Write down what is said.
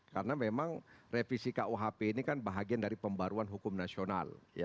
karena memang revisi rukuhp ini kan bahagian dari pembaruan hukum nasional